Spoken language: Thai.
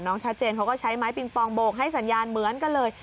ชัดเจนเขาก็ใช้ไม้ปิงปองโบกให้สัญญาณเหมือนกันเลย